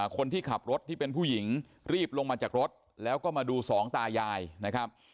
คนที่ขับรถที่เป็นผู้หญิงรีบลงมาจากรถแล้วก็มาดูสองตายายนะครับ